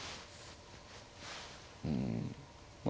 うんまあ